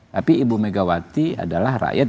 tapi ibu megawati adalah rakyat